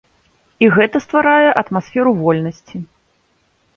І гэта стварае атмасферу вольнасці.